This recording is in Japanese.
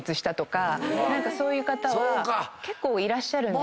そういう方は結構いらっしゃる。